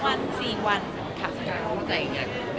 เข้าใจยังไงค่ะ